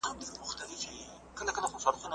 په لابراتوار کې هګۍ القاح کېږي.